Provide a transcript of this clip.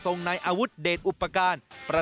ทรงนายอาวุธเดชอุปการ